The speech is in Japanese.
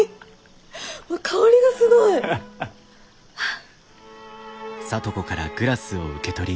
香りがすごい！はあ。